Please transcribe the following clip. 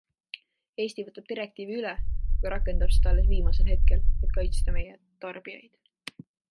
Eesti võtab direktiivi üle, aga rakendab seda alles viimasel hetkel, et kaitsta meie tarbijaid.